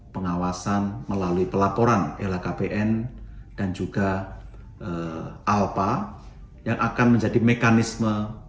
pengawasan melalui pelaporan lhkpn dan juga alpa yang akan menjadi mekanisme